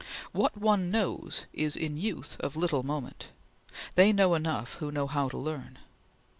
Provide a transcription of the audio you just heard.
What one knows is, in youth, of little moment; they know enough who know how to learn.